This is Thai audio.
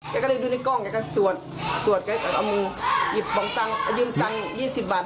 ก็เลยดูในกล้องแกก็สวดสวดแกก็เอามือหยิบปองตังยืมตังค์๒๐บาท